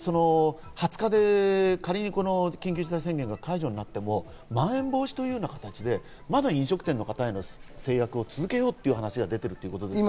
２０日で仮に緊急事態宣言が解除になっても、まん延防止という形でまだ飲食店の方への制約を続けようという話が出てくる。